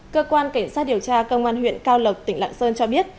cơ quan cảnh sát điều tra công an huyện cao lộc tỉnh lạng sơn cho biết